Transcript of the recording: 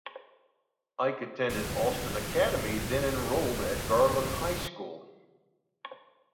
Ike attended Austin Academy, then enrolled at Garland High School.